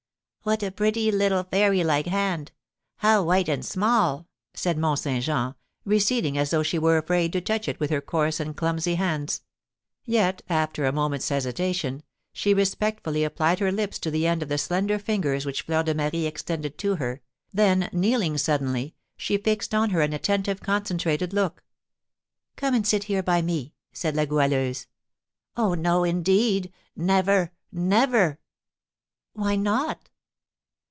"What a pretty, little, fairy like hand! How white and small!" said Mont Saint Jean, receding as though she were afraid to touch it with her coarse and clumsy hands. Yet, after a moment's hesitation, she respectfully applied her lips to the end of the slender fingers which Fleur de Marie extended to her, then, kneeling suddenly, she fixed on her an attentive, concentrated look. "Come and sit here by me," said La Goualeuse. "Oh, no, indeed; never, never!" "Why not?"